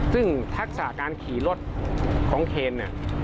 ซึ่งทักษาการขี่รถของเคน